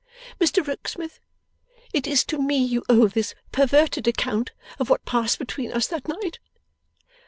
Mr Rokesmith, it is to me you owe this perverted account of what passed between us that night.